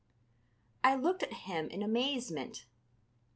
I looked at him in amazement.